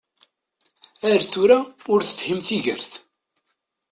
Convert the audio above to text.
Ar tura ur tefhim tigert.